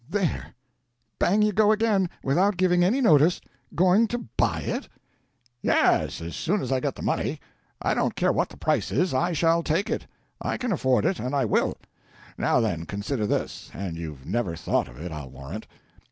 "There,—bang you go again, without giving any notice! Going to buy it?" "Yes, as soon as I get the money. I don't care what the price is, I shall take it. I can afford it, and I will. Now then, consider this—and you've never thought of it, I'll warrant.